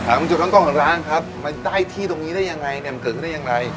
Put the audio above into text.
ถามดูจุดทั้งต้องของร้านครับได้ที่ตรงนี้ได้ยังไงมันเกิดขึ้นได้ยังไง